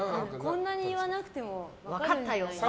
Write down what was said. こんなに言わなくても分かったとか。